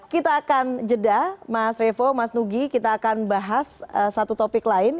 kita akan jeda mas revo mas nugi kita akan bahas satu topik lain